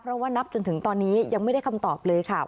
เพราะว่านับจนถึงตอนนี้ยังไม่ได้คำตอบเลยค่ะ